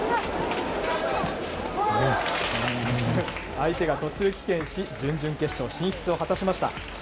相手が途中棄権し、準々決勝進出を果たしました。